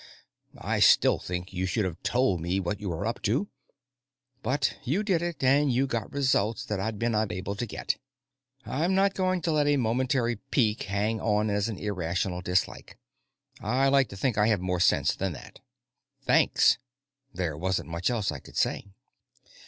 I still think you should have told me what you were up to. But you did it, and you got results that I'd been unable to get. I'm not going to let a momentary pique hang on as an irrational dislike. I like to think I have more sense than that." "Thanks." There wasn't much else I could say.